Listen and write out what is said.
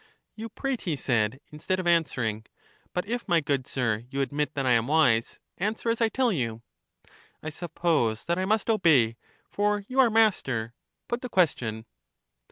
You prate, he said, instead of answering. But if, my good sir, you admit that I am wise, answer as I tell you. I suppose that I must obey, for you are master. Put the question.